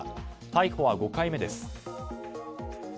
逮捕は５回目です。